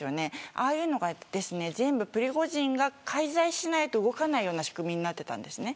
ああいうのが全部プリゴジンが介在しないと動かないような仕組みになっていたんです。